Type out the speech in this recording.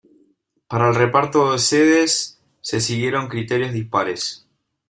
Para el reparto de sedes, se siguieron criterios dispares.